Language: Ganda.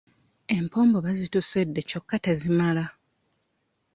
Empombo bazitusedde kyokka tezimala.